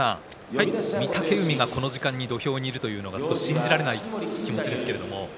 御嶽海がこの時間に土俵にいるというのが少し信じられない気持ちですけれど。